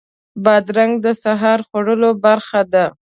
بادرنګ د سهار خوړو برخه ده.